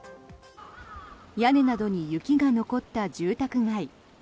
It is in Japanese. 屋根などに雪が残った住宅街。